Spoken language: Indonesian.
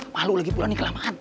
palu lagi pulang nih kelamaan